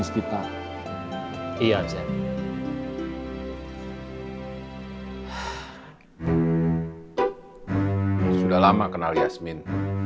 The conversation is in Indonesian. sudah lama kenal yasmin